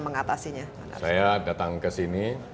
mengatasinya saya datang ke sini